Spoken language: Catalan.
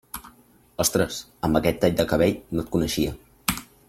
Ostres, amb aquest tall de cabell no et coneixia.